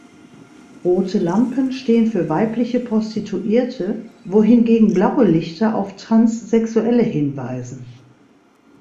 Rote Lampen stehen für weibliche Prostituierte, wohingegen blaue Lichter auf Transsexuelle hinweisen.